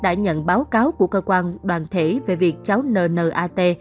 đã nhận báo cáo của cơ quan đoàn thể về việc cháu nnat